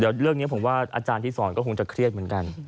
เดี๋ยวเรื่องนี้ผมว่าอาจารย์ที่สอนก็คงจะเครียดเหมือนกัน